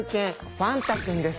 ファンタ君です。